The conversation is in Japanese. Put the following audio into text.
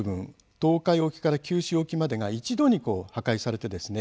東海沖から九州沖までが一度に破壊されてですね